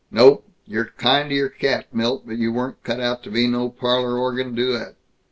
Nope, you're kind to your cat, Milt, but you weren't cut out to be no parlor organ duet."